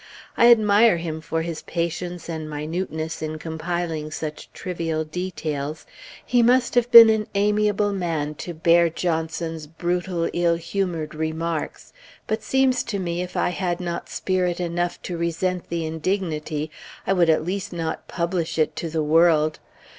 I admire him for his patience and minuteness in compiling such trivial details. He must have been an amiable man, to bear Johnson's brutal, ill humored remarks; but seems to me if I had not spirit enough to resent the indignity, I would at least not publish it to the world!